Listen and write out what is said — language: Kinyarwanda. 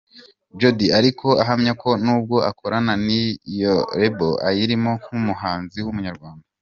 Jody ariko ahamya ko nubwo akorana n’iyo Label, ayirimo nk’umuhanzi w’Umunyarwanda.